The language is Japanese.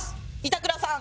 板倉さん。